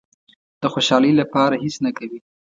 د خوشالۍ لپاره هېڅ نه کوي.